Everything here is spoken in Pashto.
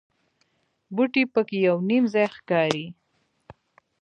بوټي په کې یو نیم ځای ښکاري.